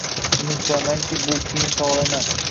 Umid qilamanki, bu qiyin savol emas.